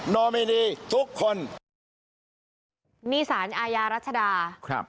อมินีทุกคนนี่สารอาญารัชดาครับ